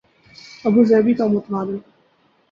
Abu Dhabi کی مبادل